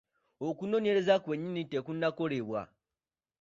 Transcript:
Okunoonyereza kwennyini tekunnakolebwa.